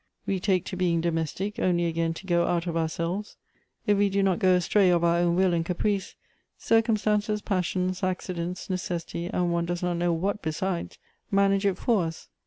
We take to being domestic, only again to go out of ourselves; if we do not go astray of our own will and caprice, circumstances, passions, accidents, necessity, and one does not know what besides, manage it for us."